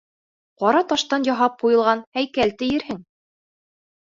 Ҡара таштан яһап ҡуйылған һәйкәл тиерһең.